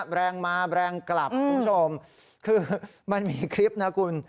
แรงมาแรงกลับคุณผู้ชมคือมันมีคลิปนะคุณ